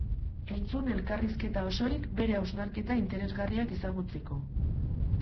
Entzun ellkarrizketa osorik bere hausnarketa interesgarriak ezagutzeko.